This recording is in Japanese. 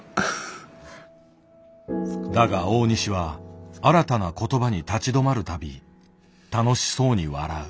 だが大西は新たな言葉に立ち止まるたび楽しそうに笑う。